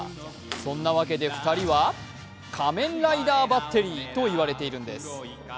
そんなわけで２人は仮面ライダーバッテリーといわれているんです。